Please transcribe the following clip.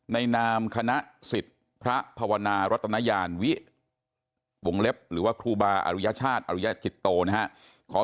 ในนามคณะศิษย์พระภวนารัฐนาญาณวิวงเล็บหรือว่าครูบาอรุญาชาติอรุญาจิตโตนะครับ